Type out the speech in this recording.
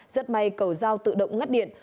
rất may cầu giao tự động ngắt điện